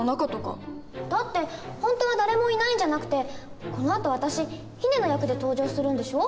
だって本当は誰もいないんじゃなくてこのあと私ヒネの役で登場するんでしょう？